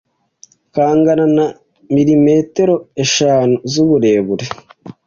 kangana na mirimetero eshanu z'uburebure